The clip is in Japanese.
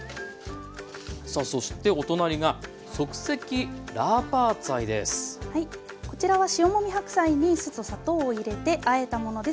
さあそしてお隣がこちらは塩もみ白菜に酢と砂糖を入れてあえたものです。